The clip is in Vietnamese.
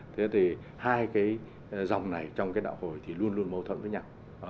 thế thì hai cái dòng này trong cái đạo hồi thì luôn luôn mâu thuẫn với nhau